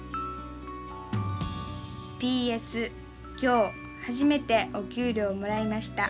「Ｐ．Ｓ．今日初めてお給料をもらいました。